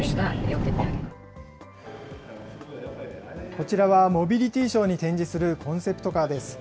こちらはモビリティショーに展示するコンセプトカーです。